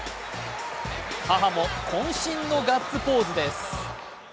母もこん身のガッツポーズです。